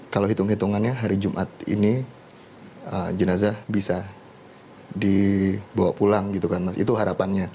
kalau hitung hitungannya hari jumat ini jenazah bisa dibawa pulang gitu kan mas itu harapannya